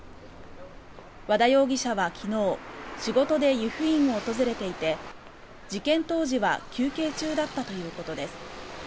和田容疑者は昨日仕事で湯布院を訪れていて事件当時は休憩中だったということです。